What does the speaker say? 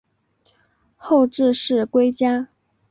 后致仕归家。